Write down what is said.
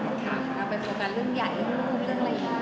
เราไปโฟกัสเรื่องใหญ่เรื่องลูกเรื่องอะไรอย่างนี้